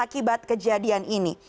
akibat kejadian ini